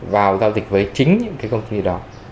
vào giao dịch với chính những cái công ty đó